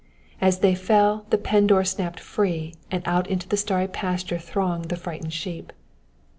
As they fell the pen door snapped free, and out into the starry pasture thronged the frightened sheep.